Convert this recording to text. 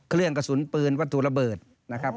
เครื่องกระสุนปืนวัตถุระเบิดนะครับ